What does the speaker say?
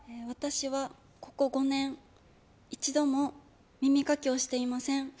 私はここ５年、一度も耳かきをしていません。